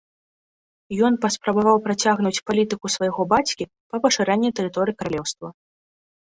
Ён паспрабаваў працягнуць палітыку свайго бацькі па пашырэнні тэрыторыі каралеўства.